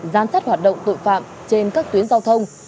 giám sát hoạt động tội phạm trên các tuyến giao thông